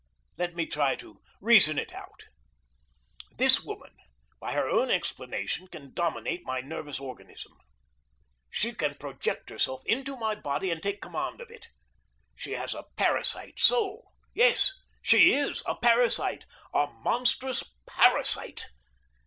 Let me try to reason it out! This woman, by her own explanation, can dominate my nervous organism. She can project herself into my body and take command of it. She has a parasite soul; yes, she is a parasite, a monstrous parasite.